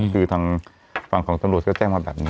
คือทางฝั่งของตำรวจก็แจ้งมาแบบนี้